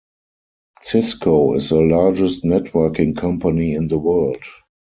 Cisco is the largest networking company in the world.